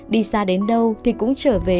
đi xa đến đâu thì cũng trở về